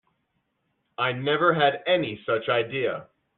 I never had any such idea.